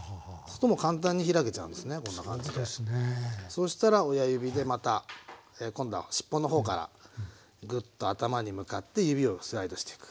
そうしたら親指でまた今度はしっぽの方からグッと頭に向かって指をスライドしていく。